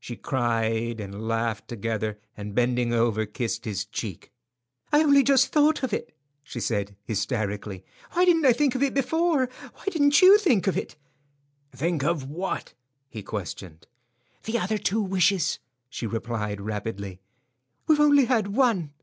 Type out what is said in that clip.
She cried and laughed together, and bending over, kissed his cheek. "I only just thought of it," she said, hysterically. "Why didn't I think of it before? Why didn't you think of it?" "Think of what?" he questioned. "The other two wishes," she replied, rapidly. "We've only had one."